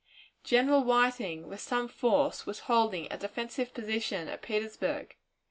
General Whiting, with some force, was holding a defensive position at Petersburg.